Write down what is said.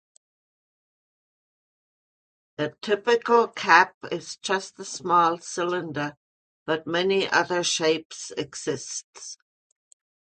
A typical "cap" is just a small cylinder but many other shapes exists.